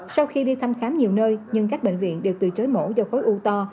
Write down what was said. sau khi đi thăm khám nhiều nơi nhưng các bệnh viện đều từ chối mổ do khối u to